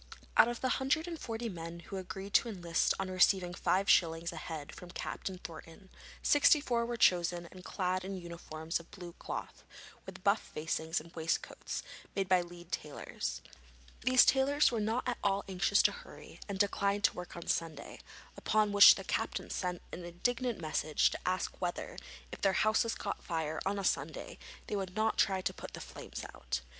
Out of the hundred and forty men who agreed to enlist on receiving five shillings a head from Captain Thornton, sixty four were chosen and clad in uniforms of blue cloth, with buff facings and waistcoats, made by Leeds tailors. These tailors were not at all anxious to hurry, and declined to work on Sunday, upon which the captain sent an indignant message to ask whether, if their houses caught fire on a Sunday, they would not try to put the flames out?